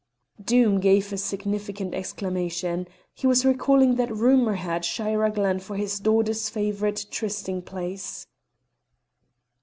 Doom gave a significant exclamation: he was recalling that rumour had Shira Glen for his daughter's favourite trysting place.